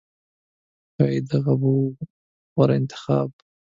ښایي دغه به و غوره انتخاب